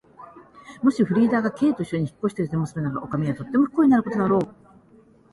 もしフリーダが Ｋ といっしょに引っ越しでもするなら、おかみはとても不幸になることだろう。